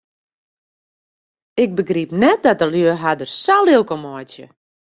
Ik begryp net dat de lju har dêr sa lilk om meitsje.